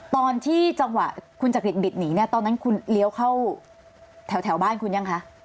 ตอนที่จังหวะคุณจักริตบิดหนีเนี่ยตอนนั้นคุณเลี้ยวเข้าแถวบ้านคุณยังคะ